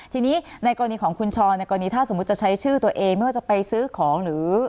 ทีนี้ในกรณีของคุณชรในกรณีถ้าสมมุติจะใช้ชื่อตัวเองไม่ว่าจะไปซื้อของหรือ